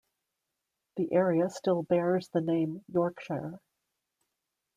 The area still bears the name Yorkshire.